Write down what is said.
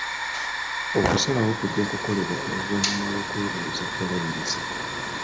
Okusalawo kujja kukolebwa oluvannyuma lw'okwebuuza ku balabirizi.